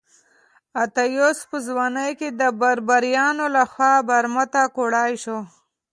اتیوس په ځوانۍ کې د بربریانو لخوا برمته کړای شو.